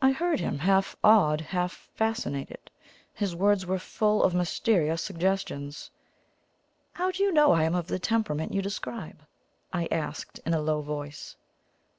I heard him, half awed, half fascinated. His words were full of mysterious suggestions. "How do you know I am of the temperament you describe?" I asked in a low voice.